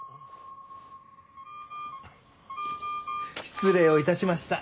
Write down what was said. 失礼を致しました。